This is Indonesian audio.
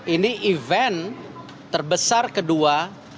ini event terbesar kedua